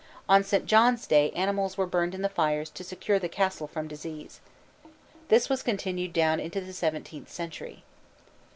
On St. John's Day animals were burned in the fires to secure the cattle from disease. This was continued down into the seventeenth century.